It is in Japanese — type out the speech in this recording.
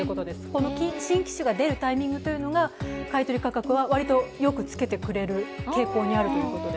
この新機種が出るタイミングというのが買取価格は割とよくつけてくれる傾向にあるということで